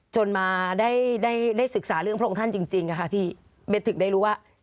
จนมาได้ได้ได้ศึกษาเรื่องพวกท่านจริงจริงนะคะพี่เบสถึงได้รู้ว่า